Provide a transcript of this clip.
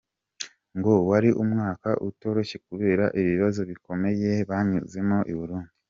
Ngo wari umwaka utoroshye kubera ibibazo bikomeye banyuzemo i Burundi.